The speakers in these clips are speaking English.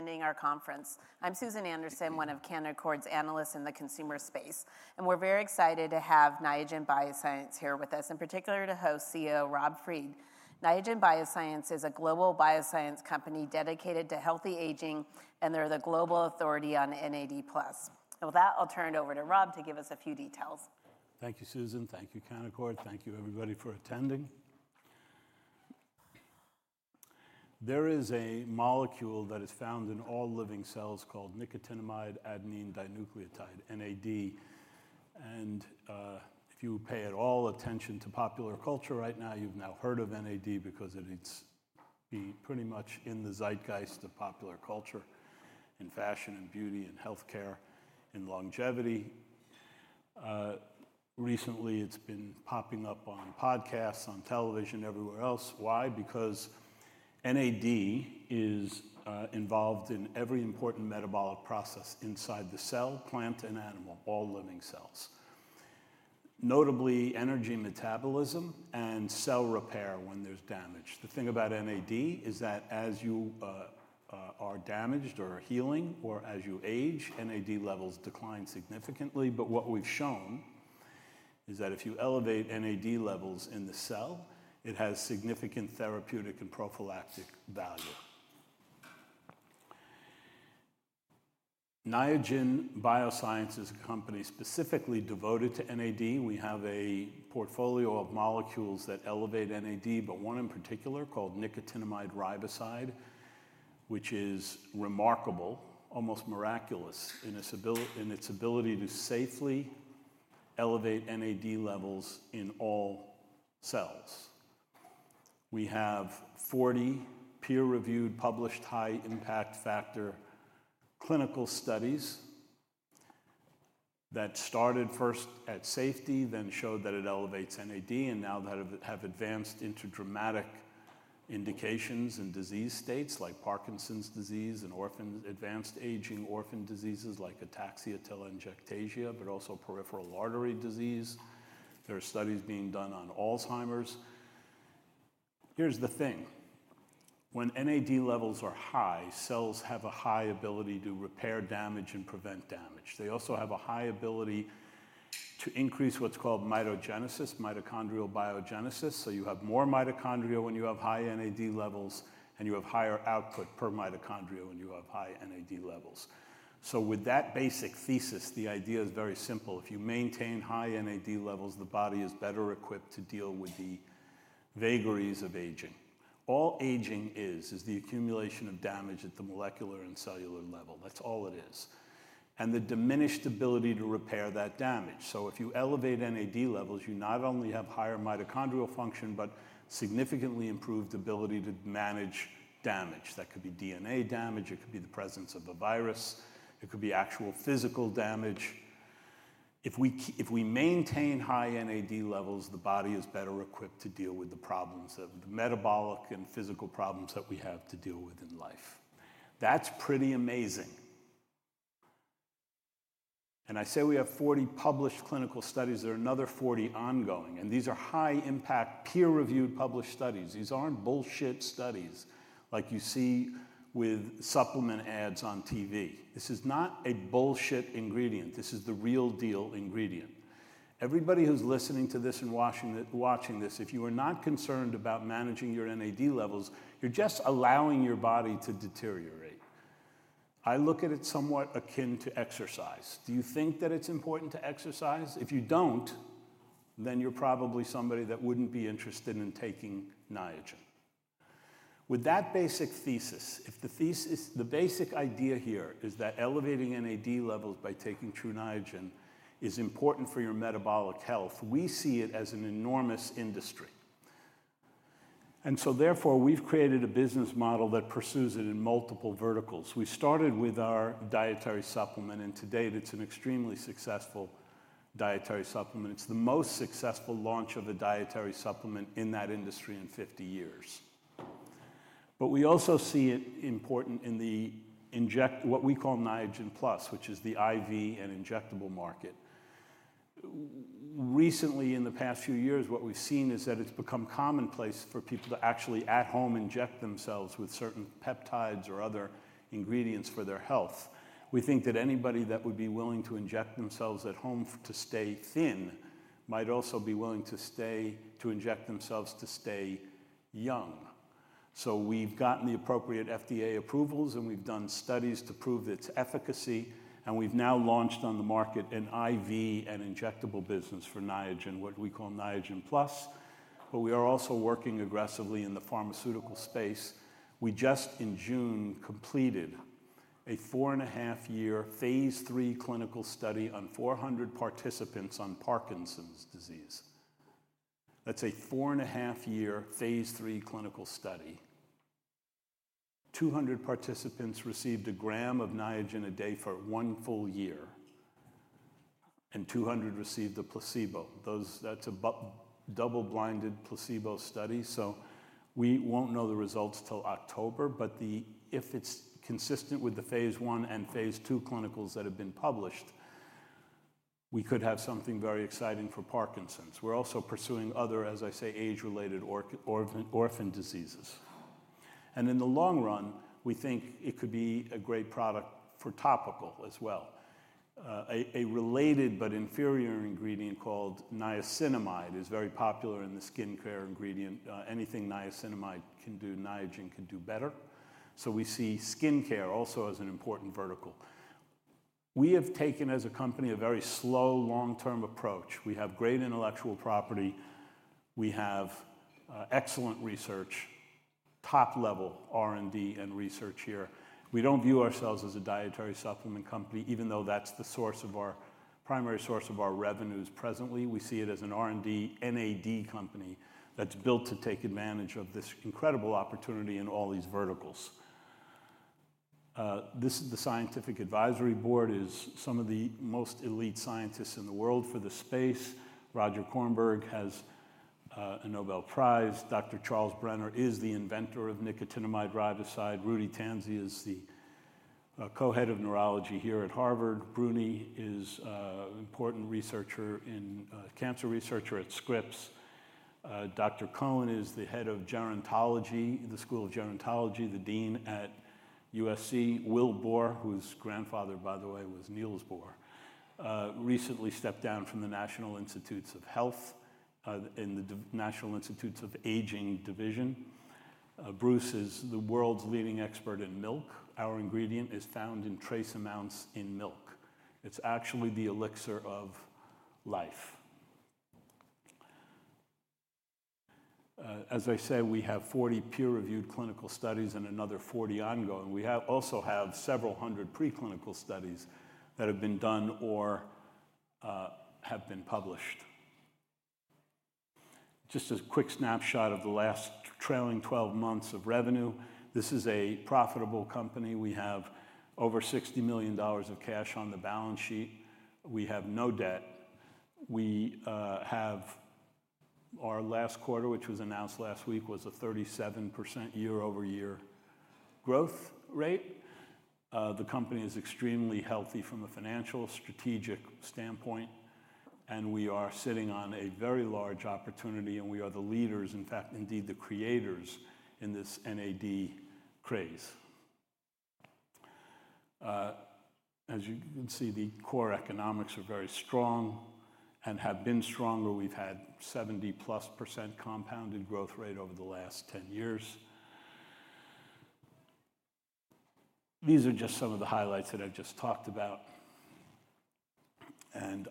Ending our conference. I'm Susan Anderson, one of Canaccord's Analysts in the consumer space. We're very excited to have Niagen Bioscience here with us, in particular to host CEO, Rob Fried. Niagen Bioscience is a global bioscience company dedicated to healthy aging, and they're the global authority on NAD+. With that, I'll turn it over to Rob to give us a few details. Thank you, Susan. Thank you, Canaccord. Thank you, everybody, for attending. There is a molecule that is found in all living cells called Nicotinamide Adenine Dinucleotide, NAD. If you pay at all attention to popular culture right now, you've now heard of NAD because it's pretty much in the zeitgeist of popular culture in fashion and beauty and healthcare and longevity. Recently, it's been popping up on podcasts, on television, everywhere else. Why? Because NAD is involved in every important metabolic process inside the cell, plant, and animal, all living cells. Notably, energy metabolism and cell repair when there's damage. The thing about NAD is that as you are damaged or are healing, or as you age, NAD levels decline significantly. What we've shown is that if you elevate NAD levels in the cell, it has significant therapeutic and prophylactic value. Niagen Bioscience is a company specifically devoted to NAD. We have a portfolio of molecules that elevate NAD, but one in particular called nicotinamide riboside, which is remarkable, almost miraculous in its ability to safely elevate NAD levels in all cells. We have 40 peer-reviewed, published, high-impact factor clinical studies that started first at safety, then showed that it elevates NAD, and now have advanced into dramatic indications in disease states like Parkinson’s disease and advanced aging orphan diseases like ataxia-telangiectasia, but also peripheral artery disease. There are studies being done on Alzheimer's. Here's the thing. When NAD levels are high, cells have a high ability to repair damage and prevent damage. They also have a high ability to increase what's called mitogenesis, mitochondrial biogenesis. You have more mitochondria when you have high NAD levels, and you have higher output per mitochondrion when you have high NAD levels. With that basic thesis, the idea is very simple. If you maintain high NAD levels, the body is better equipped to deal with the vagaries of aging. All aging is, is the accumulation of damage at the molecular and cellular level. That's all it is, and the diminished ability to repair that damage. If you elevate NAD levels, you not only have higher mitochondrial function, but significantly improved ability to manage damage. That could be DNA damage, it could be the presence of a virus, it could be actual physical damage. If we maintain high NAD levels, the body is better equipped to deal with the problems of the metabolic and physical problems that we have to deal with in life. That's pretty amazing. I say we have 40 published clinical studies. There are another 40 ongoing. These are high-impact, peer-reviewed, published studies. These aren't bullshit studies like you see with supplement ads on TV. This is not a bullshit ingredient. This is the real deal ingredient. Everybody who's listening to this and watching this, if you are not concerned about managing your NAD levels, you're just allowing your body to deteriorate. I look at it somewhat akin to exercise. Do you think that it's important to exercise? If you don't, then you're probably somebody that wouldn't be interested in taking Niagen. With that basic thesis, if the basic idea here is that elevating NAD levels by taking Tru Niagen is important for your metabolic health, we see it as an enormous industry. Therefore, we've created a business model that pursues it in multiple verticals. We started with our dietary supplement, and to date, it's an extremely successful dietary supplement. It's the most successful launch of a dietary supplement in that industry in 50 years. We also see it important in what we call Niagen Plus, which is the IV and injectable market. Recently, in the past few years, what we've seen is that it's become commonplace for people to actually at home inject themselves with certain peptides or other ingredients for their health. We think that anybody that would be willing to inject themselves at home to stay thin might also be willing to inject themselves to stay young. We've gotten the appropriate FDA approvals, and we've done studies to prove its efficacy, and we've now launched on the market an IV and injectable business for Niagen, what we call Niagen Plus. We are also working aggressively in the pharmaceutical space. In June, we completed a four-and-a-half-year phase three clinical study on 400 participants on Parkinson’s disease. That's a four-and-a-half-year phase three clinical study. 200 participants received a gram of Niagen a day for one full year, and 200 received a placebo. That's a double-blinded placebo study. We won't know the results till October, but if it's consistent with the phase one and phase two clinicals that have been published, we could have something very exciting for Parkinson’s. We're also pursuing other, as I say, age-related orphan diseases. In the long run, we think it could be a great product for topical as well. A related but inferior ingredient called niacinamide is very popular in the skincare ingredient. Anything niacinamide can do, Niagen can do better. We see skincare also as an important vertical. We have taken, as a company, a very slow, long-term approach. We have great intellectual property. We have excellent research, top-level R&D and research here. We don't view ourselves as a dietary supplement company, even though that's the source of our primary source of our revenues presently. We see it as an R&D NAD company that's built to take advantage of this incredible opportunity in all these verticals. The Scientific Advisory Board is some of the most elite scientists in the world for the space. Roger Kornberg has a Nobel Prize. Dr. Charles Brenner is the inventor of nicotinamide riboside. Rudy Tanzi is the Co-Head of Neurology here at Harvard. Brunie is an important researcher, a cancer researcher at Scripps. Dr. Cohen is the Head of Gerontology, the School of Gerontology, the Dean at USC. Will Bohr, whose grandfather, by the way, was Niels Bohr, recently stepped down from the National Institutes of Health in the National Institute on Aging division. Bruce is the world's leading expert in milk. Our ingredient is found in trace amounts in milk. It's actually the elixir of life. As I say, we have 40 peer-reviewed clinical studies and another 40 ongoing. We also have several hundred preclinical studies that have been done or have been published. Just a quick snapshot of the last trailing 12 months of revenue. This is a profitable company. We have over $60 million of cash on the balance sheet. We have no debt. Our last quarter, which was announced last week, was a 37% year-over-year growth rate. The company is extremely healthy from a financial strategic standpoint, and we are sitting on a very large opportunity, and we are the leaders, in fact, indeed the creators in this NAD craze. As you can see, the core economics are very strong and have been stronger. We've had 70%+ compounded growth rate over the last 10 years. These are just some of the highlights that I've just talked about.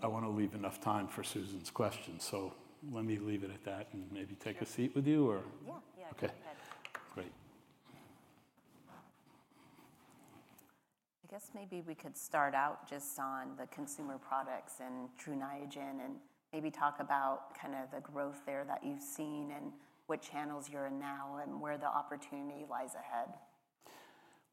I want to leave enough time for Susan's questions. Let me leave it at that and maybe take a seat with you, or? Yeah, go ahead. Great. I guess maybe we could start out just on the consumer products and Tru Niagen and maybe talk about kind of the growth there that you've seen and what channels you're in now and where the opportunity lies ahead.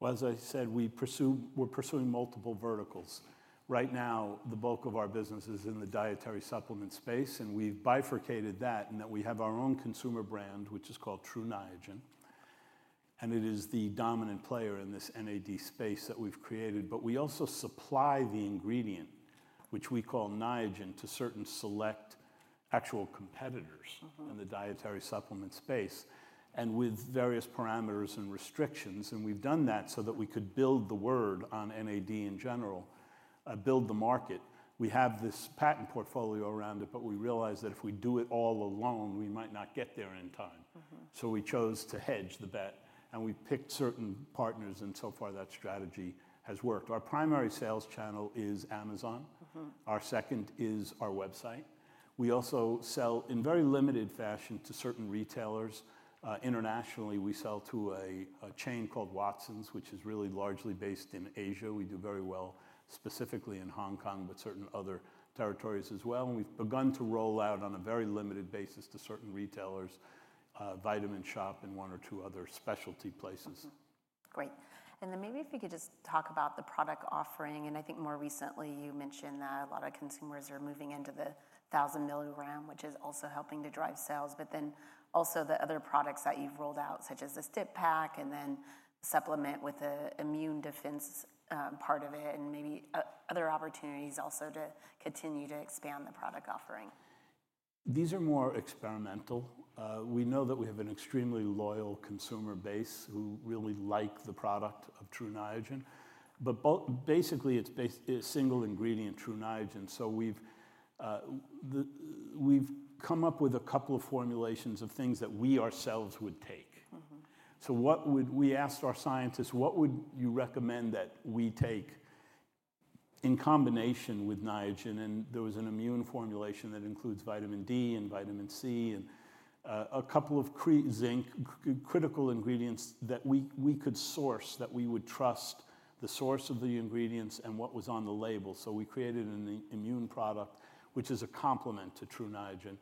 As I said, we're pursuing multiple verticals. Right now, the bulk of our business is in the dietary supplement space, and we've bifurcated that in that we have our own consumer brand, which is called Tru Niagen. It is the dominant player in this NAD space that we've created. We also supply the ingredient, which we call Niagen, to certain select actual competitors in the dietary supplement space with various parameters and restrictions. We've done that so that we could build the word on NAD in general, build the market. We have this patent portfolio around it, but we realized that if we do it all alone, we might not get there in time. We chose to hedge the bet, and we picked certain partners, and so far that strategy has worked. Our primary sales channel is Amazon. Our second is our website. We also sell in very limited fashion to certain retailers. Internationally, we sell to a chain called Watsons, which is really largely based in Asia. We do very well specifically in Hong Kong, but certain other territories as well. We've begun to roll out on a very limited basis to certain retailers, Vitamin Shop, and one or two other specialty places. Great. Maybe if we could just talk about the product offering. I think more recently you mentioned that a lot of consumers are moving into the 1000 mg, which is also helping to drive sales, but also the other products that you've rolled out, such as the Stick Pack and then supplement with the immune defense part of it and maybe other opportunities also to continue to expand the product offering. These are more experimental. We know that we have an extremely loyal consumer base who really like the product of Tru Niagen. Basically, it's a single ingredient, Tru Niagen. We have come up with a couple of formulations of things that we ourselves would take. What would we ask our scientists, what would you recommend that we take in combination with Niagen? There was an immune formulation that includes vitamin D and vitamin C and a couple of critical ingredients that we could source, that we would trust the source of the ingredients and what was on the label. We created an immune product, which is a complement to Tru Niagen.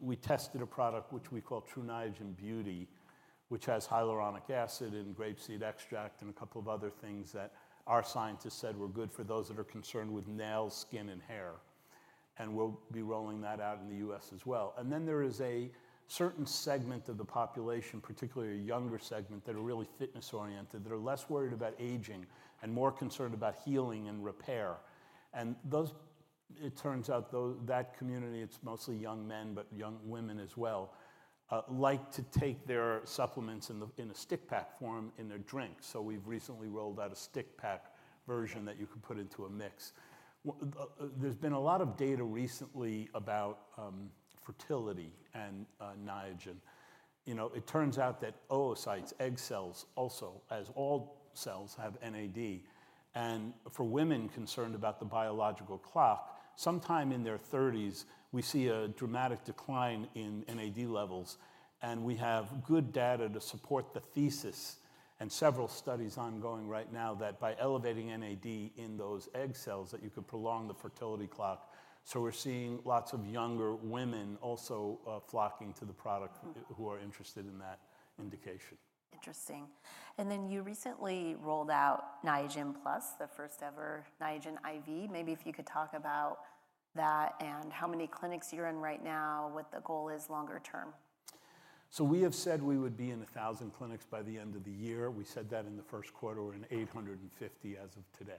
We tested a product which we call Tru Niagen Beauty, which has hyaluronic acid and grapeseed extract and a couple of other things that our scientists said were good for those that are concerned with nails, skin, and hair. We will be rolling that out in the U.S. as well. There is a certain segment of the population, particularly a younger segment, that are really fitness-oriented, that are less worried about aging and more concerned about healing and repair. That community, it's mostly young men, but young women as well, like to take their supplements in a stick pack form in their drinks. We have recently rolled out a stick pack version that you could put into a mix. There has been a lot of data recently about fertility and Niagen. It turns out that oocytes, egg cells, also, as all cells, have NAD. For women concerned about the biological clock, sometime in their 30s, we see a dramatic decline in NAD levels. We have good data to support the thesis and several studies ongoing right now that by elevating NAD in those egg cells, you could prolong the fertility clock. We are seeing lots of younger women also flocking to the product who are interested in that indication. Interesting. You recently rolled out Niagen Plus, the first ever Niagen IV. Maybe if you could talk about that and how many clinics you're in right now, what the goal is longer term. We have said we would be in 1,000 clinics by the end of the year. We said that in the first quarter we were in 850 as of today.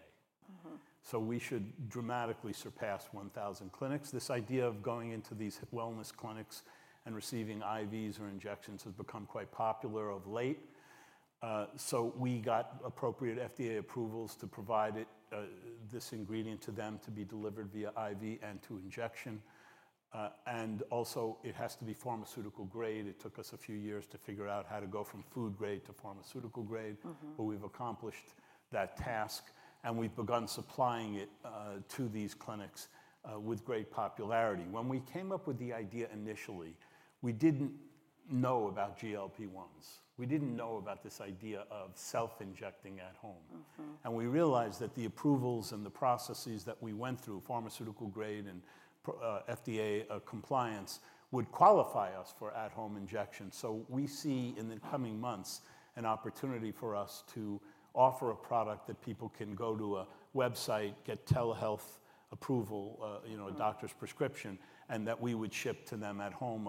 We should dramatically surpass 1,000 clinics. This idea of going into these wellness clinics and receiving IVs or injections has become quite popular of late. We got appropriate FDA approvals to provide this ingredient to them to be delivered via IV and to injection. It has to be pharmaceutical grade. It took us a few years to figure out how to go from food grade to pharmaceutical grade, but we've accomplished that task. We've begun supplying it to these clinics with great popularity. When we came up with the idea initially, we didn't know about GLP-1s. We didn't know about this idea of self-injecting at home. We realized that the approvals and the processes that we went through, pharmaceutical grade and FDA compliance, would qualify us for at-home injections. We see in the coming months an opportunity for us to offer a product that people can go to a website, get telehealth approval, a doctor's prescription, and that we would ship to them at home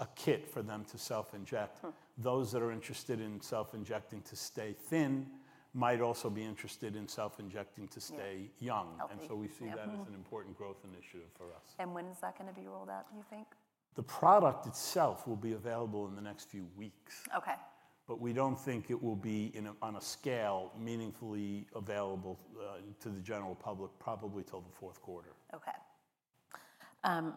a kit for them to self-inject. Those that are interested in self-injecting to stay thin might also be interested in self-injecting to stay young. We see that as an important growth initiative for us. When is that going to be rolled out, do you think? The product itself will be available in the next few weeks. Okay. We don't think it will be on a scale meaningfully available to the general public probably till the fourth quarter. Okay.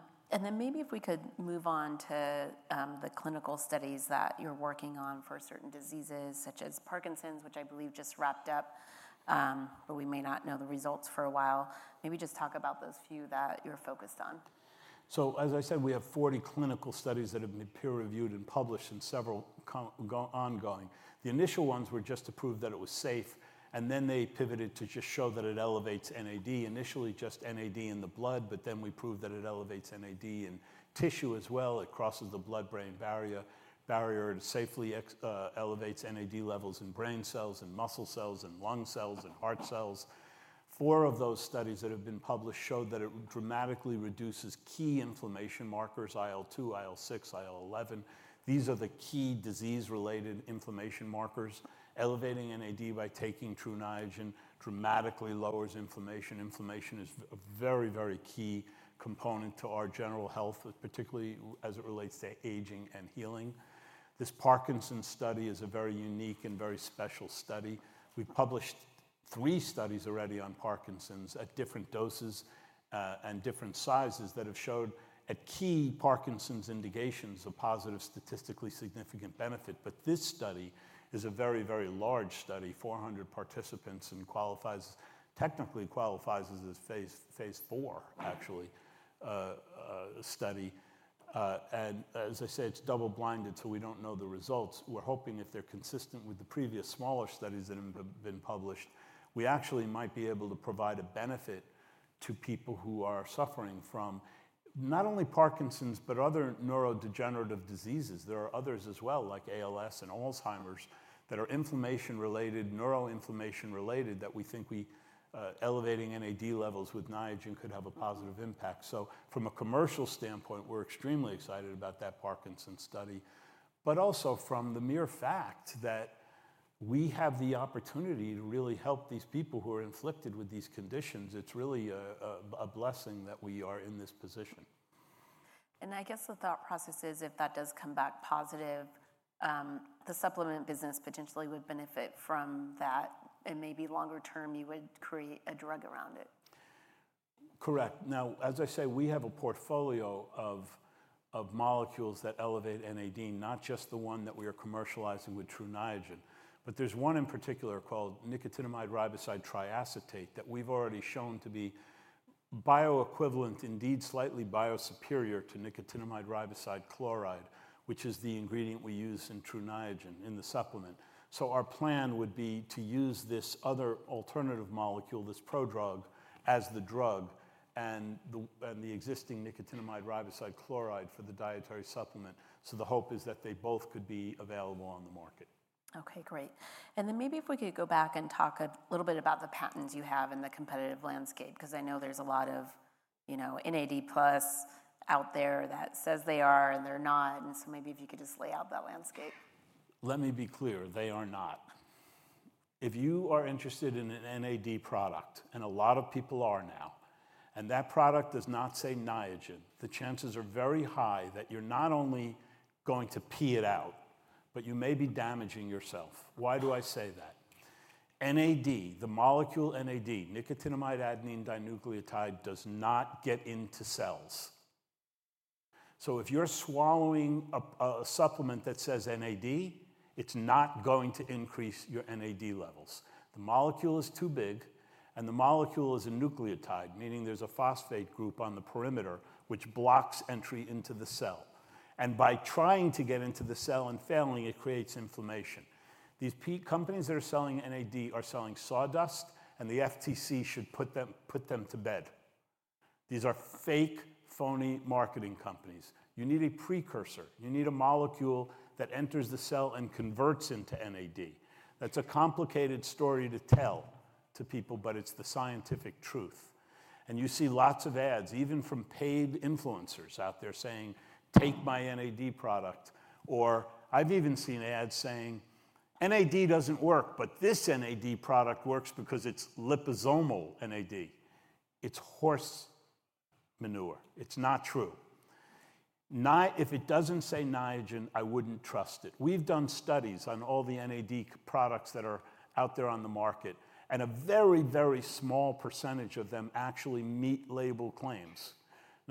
Maybe if we could move on to the clinical studies that you're working on for certain diseases, such as Parkinson’s, which I believe just wrapped up, but we may not know the results for a while. Maybe just talk about those few that you're focused on. As I said, we have 40 clinical studies that have been peer-reviewed and published and several ongoing. The initial ones were just to prove that it was safe, and then they pivoted to just show that it elevates NAD. Initially, just NAD in the blood, but then we proved that it elevates NAD in tissue as well. It crosses the blood-brain barrier and safely elevates NAD levels in brain cells, muscle cells, lung cells, and heart cells. Four of those studies that have been published showed that it dramatically reduces key inflammation markers: IL-2, IL-6, IL-11. These are the key disease-related inflammation markers. Elevating NAD by taking Tru Niagen dramatically lowers inflammation. Inflammation is a very, very key component to our general health, particularly as it relates to aging and healing. This Parkinson’s study is a very unique and very special study. We published three studies already on Parkinson’s at different doses and different sizes that have shown at key Parkinson’s indications a positive statistically significant benefit. This study is a very, very large study, 400 participants, and technically qualifies as a phase four, actually, a study. It is double-blinded, so we don’t know the results. We’re hoping if they’re consistent with the previous smaller studies that have been published, we actually might be able to provide a benefit to people who are suffering from not only Parkinson’s, but other neurodegenerative diseases. There are others as well, like ALS and Alzheimer’s, that are inflammation-related, neuroinflammation-related, that we think elevating NAD levels with Niagen could have a positive impact. From a commercial standpoint, we’re extremely excited about that Parkinson’s study. Also, from the mere fact that we have the opportunity to really help these people who are inflicted with these conditions, it’s really a blessing that we are in this position. I guess the thought process is if that does come back positive, the supplement business potentially would benefit from that. Maybe longer term, you would create a drug around it. Correct. Now, as I say, we have a portfolio of molecules that elevate NAD, not just the one that we are commercializing with Tru Niagen. There's one in particular called Nicotinamide Riboside triacetate that we've already shown to be bioequivalent, indeed slightly biosuperior to nicotinamide riboside chloride, which is the ingredient we use in Tru Niagen in the supplement. Our plan would be to use this other alternative molecule, this prodrug, as the drug and the existing nicotinamide riboside chloride for the dietary supplement. The hope is that they both could be available on the market. Okay, great. Maybe if we could go back and talk a little bit about the patents you have in the competitive landscape, because I know there's a lot of, you know, NAD+ out there that says they are and they're not. Maybe if you could just lay out that landscape. Let me be clear, they are not. If you are interested in an NAD product, and a lot of people are now, and that product does not say Niagen, the chances are very high that you're not only going to pee it out, but you may be damaging yourself. Why do I say that? NAD, the molecule NAD, Nicotinamide Adenine Dinucleotide, does not get into cells. If you're swallowing a supplement that says NAD, it's not going to increase your NAD levels. The molecule is too big, and the molecule is a nucleotide, meaning there's a phosphate group on the perimeter which blocks entry into the cell. By trying to get into the cell and failing, it creates inflammation. These companies that are selling NAD are selling sawdust, and the FTC should put them to bed. These are fake, phony marketing companies. You need a precursor. You need a molecule that enters the cell and converts into NAD. That's a complicated story to tell to people, but it's the scientific truth. You see lots of ads, even from paid influencers out there saying, "Take my NAD product," or I've even seen ads saying, "NAD doesn't work, but this NAD product works because it's Liposomal NAD." It's horse manure. It's not true. If it doesn't say Niagen, I wouldn't trust it. We've done studies on all the NAD products that are out there on the market, and a very, very small percentage of them actually meet label claims.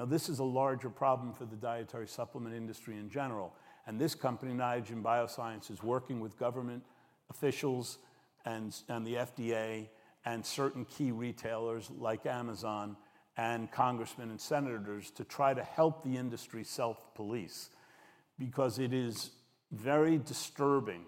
This is a larger problem for the dietary supplement industry in general. This company, Niagen Bioscience, is working with government officials and the FDA and certain key retailers like Amazon and congressmen and senators to try to help the industry self-police because it is very disturbing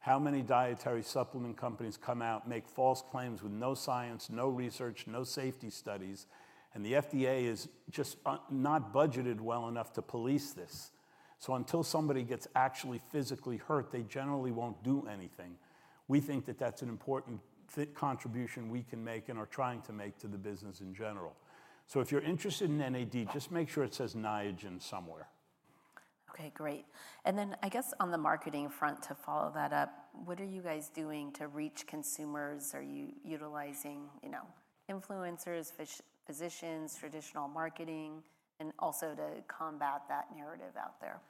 how many dietary supplement companies come out, make false claims with no science, no research, no safety studies, and the FDA is just not budgeted well enough to police this. Until somebody gets actually physically hurt, they generally won't do anything. We think that that's an important contribution we can make and are trying to make to the business in general. If you're interested in NAD, just make sure it says Niagen somewhere. Okay, great. I guess on the marketing front, to follow that up, what are you guys doing to reach consumers? Are you utilizing influencers, physicians, traditional marketing, and also to combat that narrative out there?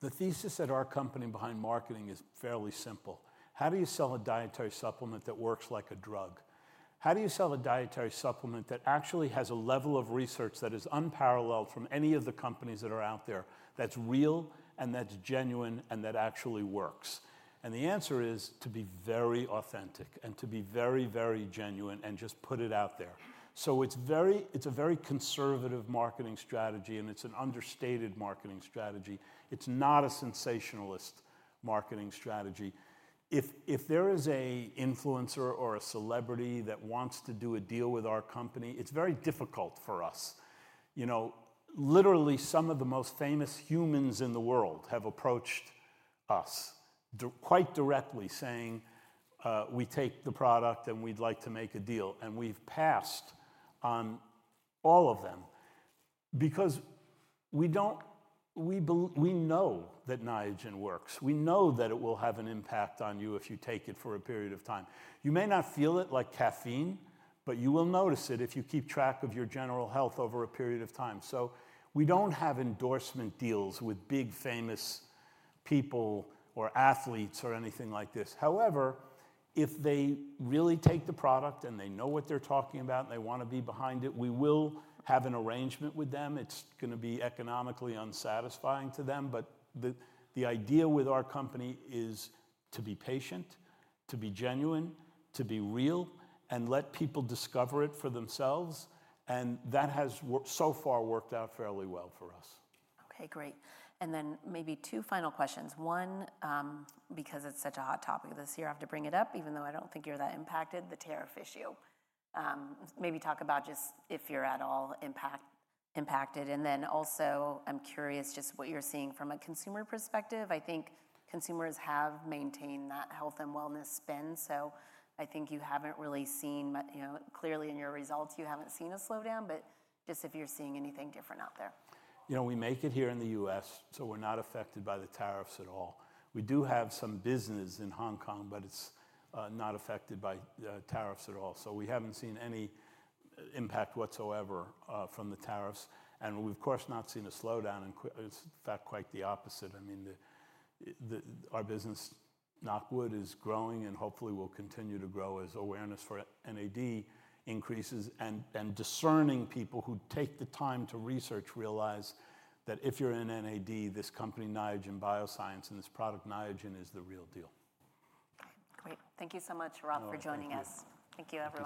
The thesis at our company behind marketing is fairly simple. How do you sell a dietary supplement that works like a drug? How do you sell a dietary supplement that actually has a level of research that is unparalleled from any of the companies that are out there, that's real, and that's genuine, and that actually works? The answer is to be very authentic and to be very, very genuine and just put it out there. It is a very conservative marketing strategy, and it's an understated marketing strategy. It is not a sensationalist marketing strategy. If there is an influencer or a celebrity that wants to do a deal with our company, it's very difficult for us. Literally, some of the most famous humans in the world have approached us quite directly saying, "We take the product, and we'd like to make a deal." We have passed on all of them because we know that Niagen works. We know that it will have an impact on you if you take it for a period of time. You may not feel it like caffeine, but you will notice it if you keep track of your general health over a period of time. We do not have endorsement deals with big famous people or athletes or anything like this. However, if they really take the product and they know what they're talking about and they want to be behind it, we will have an arrangement with them. It is going to be economically unsatisfying to them, but the idea with our company is to be patient, to be genuine, to be real, and let people discover it for themselves. That has so far worked out fairly well for us. Okay, great. Maybe two final questions. One, because it's such a hot topic this year, I have to bring it up, even though I don't think you're that impacted, the tariff issue. Maybe talk about just if you're at all impacted. I'm curious just what you're seeing from a consumer perspective. I think consumers have maintained that health and wellness spend. I think you haven't really seen, you know, clearly in your results, you haven't seen a slowdown, just if you're seeing anything different out there. You know, we make it here in the U.S., so we're not affected by the tariffs at all. We do have some business in Hong Kong, but it's not affected by tariffs at all. We haven't seen any impact whatsoever from the tariffs. Of course, we've not seen a slowdown. In fact, quite the opposite. I mean, our business, knock wood, is growing and hopefully will continue to grow as awareness for NAD increases and discerning people who take the time to research realize that if you're in NAD, this company, Niagen Bioscience, and this product, Niagen, is the real deal. Great. Thank you so much, Rob, for joining us. Thank you, everyone.